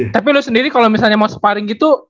tapi lu sendiri kalau misalnya mau separing gitu